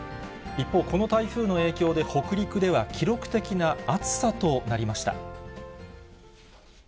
一方、この台風の影響で、北陸では記録的な暑さとなりました。